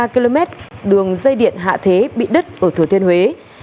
một trăm linh ba km đường dây điện hạ thế bị đứt ở thừa thiên huế